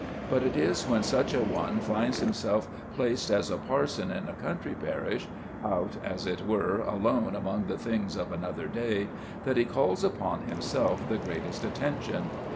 But it is when such a one finds himself placed as a parson in a country parish, out, as it were, alone among the things of another day, that he calls upon himself the greatest attention.